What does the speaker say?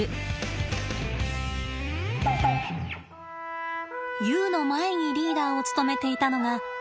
ユウの前にリーダーを務めていたのが父のゴヒチです。